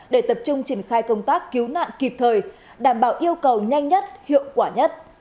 để tập trung triển khai công tác cứu nạn kịp thời đảm bảo yêu cầu nhanh nhất hiệu quả nhất